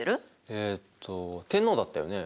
えっと天皇だったよね。